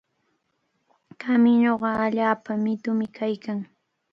Kamiñuqa allaapa mitumi kaykan.